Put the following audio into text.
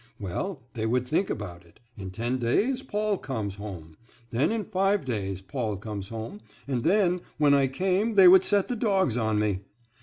"Well, they would think about it,—in ten days Paul comes home, then in five days Paul comes home, and then when I came they would set the dogs on me.